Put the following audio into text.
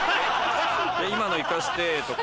今の生かしてとか。